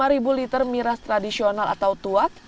lima ribu liter miras tradisional atau tuat